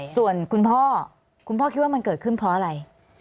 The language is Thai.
ส่วนคุณพ่อคุณพ่อคิดว่ามันเกิดขึ้นเพราะอะไร